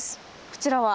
こちらは？